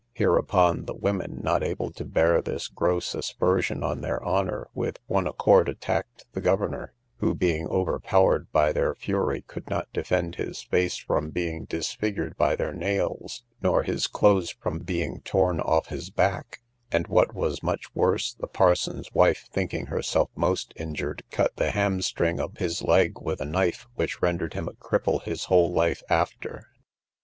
Hereupon the women, not able to bear this gross aspersion on their honour, with one accord attacked the governor, who, being overpowered by their fury, could not defend his face from being disfigured by their nails, nor his clothes from being torn off his back; and what was much worse, the parson's wife thinking herself most injured, cut the hamstring of his leg with a knife, which rendered him a cripple his whole life after.